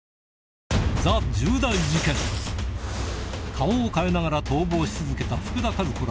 顔を変えながら逃亡し続けた福田和子ら